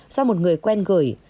do một người quen gửi